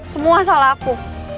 semua salah aku